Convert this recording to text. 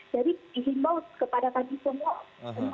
jadi dihimbau kepada kami semua